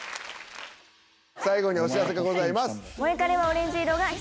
最後にお知らせがございます！